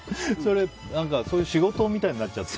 そういう仕事みたいになっちゃって。